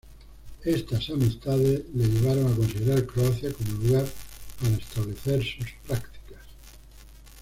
Estas amistades le llevaron a considerar Croacia como lugar para establecer sus prácticas.